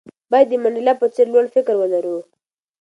باید د منډېلا په څېر لوړ فکر ولرو.